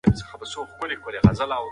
نن ورځ علم په ډېرو څانګو ویشل شوی دی.